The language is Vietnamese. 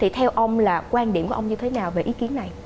theo ông là quan điểm của ông như thế nào về ý kiến này